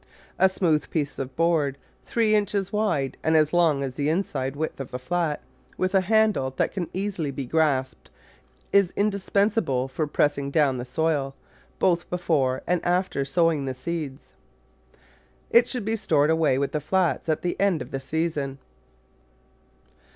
A smooth piece of board, three inches wide and as long as the inside width of the flat, with a handle that can be easily grasped, is indispensable for pressing down the soil, both before and after sowing the seeds. 48 Digitized by Google ^tatting geeftg in jtotg 49 It should be stored away with the flats at the end of the season.